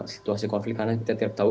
situasi konflik karena kita tidak tahu